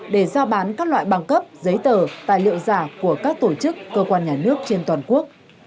để giao bán các loại băng cấp giấy tờ tài liệu giả của các tổ chức cơ quan nhà nước trên toàn quốc